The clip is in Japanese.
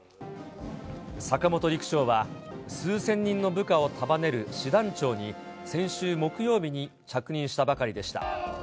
坂本陸将は、数千人の部下を束ねる師団長に先週木曜日に着任したばかりでした。